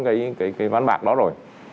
cái ván bạc đó rồi